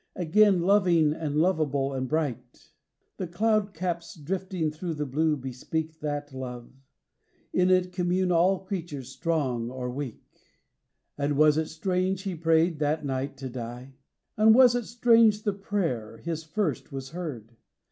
Again loving and lovable and bright. The cloud caps drifting thro' the blue bespeak That Love; in it commune all creatures, strong or weak. 16 CHRISTMAS EVE. XXVI. And was it strange he prayed that night to die? And was it strange the prayer, his first, was heard?